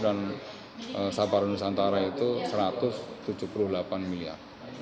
dan sabarun nusantara itu satu ratus tujuh puluh delapan miliar